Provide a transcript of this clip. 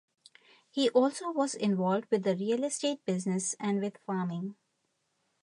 He also was involved with the real estate business and with farming.